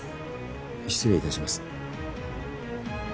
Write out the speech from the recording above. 失礼いたします。